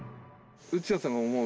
打矢さんが思う